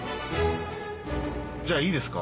じゃいいですか？